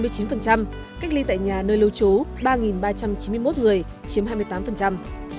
cách ly tại nhà nơi lưu trú ba ba trăm chín mươi một người chiếm hai mươi tám